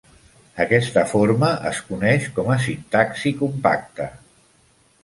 Aquesta forma es coneix com a sintaxi compacta.